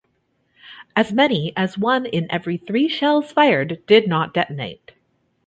As many as one in every three shells fired did not detonate.